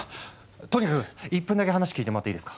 とにかく１分だけ話聞いてもらっていいですか？